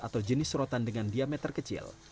atau jenis serotan dengan diameter kecil